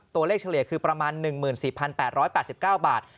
ตัวเลขเฉลี่ยคือประมาณ๑๔๘๘๙บาท